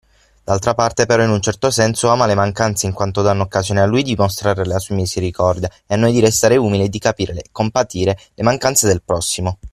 D'altra parte, però, in un certo senso, ama le mancanze in quanto danno occasione a Lui di mostrare la sua misericordia e a noi di restare umili e di capire e compatire le mancanze del prossimo.